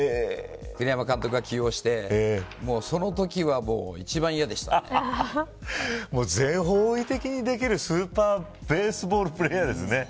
栗山監督が起用して全方位的にできるスーパーベースボールプレーヤーですね。